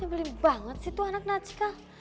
ini beli banget sih tuh anak nacika